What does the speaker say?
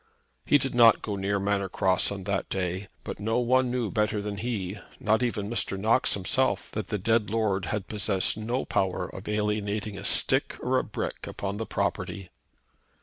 He did not go near Manor Cross on that day; but no one knew better than he, not even Mr. Knox himself, that the dead lord had possessed no power of alienating a stick or a brick upon the property.